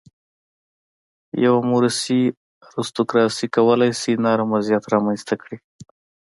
یوه موروثي ارستوکراسي کولای شي نرم وضعیت رامنځته کړي.